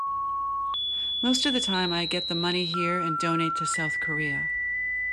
Most of time, I get the money here and donate to South Korea.